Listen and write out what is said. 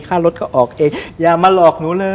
ค่ารดก็ออกเอก